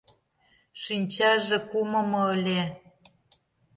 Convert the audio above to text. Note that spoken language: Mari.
Шинчаже кумымо ыле.